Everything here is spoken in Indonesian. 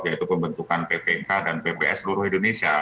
yaitu pembentukan ppk dan pps seluruh indonesia